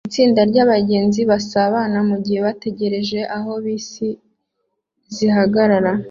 Itsinda ryabagenzi basabana mugihe bategereje aho bisi zihagarara